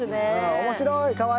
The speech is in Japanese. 面白い！